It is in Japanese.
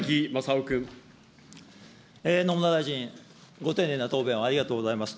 野村大臣、ご丁寧な答弁をありがとうございます。